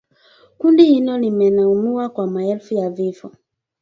Kundi hilo limelaumiwa kwa maelfu ya vifo